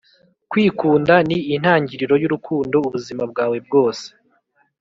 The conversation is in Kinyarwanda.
kwikunda ni intangiriro yurukundo ubuzima bwawe bwose.